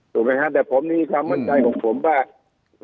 ถูกไหมครับแต่ผมมีความมั่นใจของผมว่า